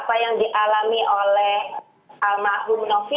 alarm darurat kekerasan seksual di tanah air mbak siti